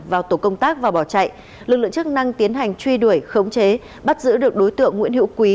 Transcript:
và bỏ chạy lực lượng chức năng tiến hành truy đuổi khống chế bắt giữ được đối tượng nguyễn hữu quý